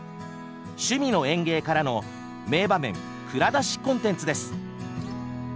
「趣味の園芸」からの名場面蔵出しコンテンツです。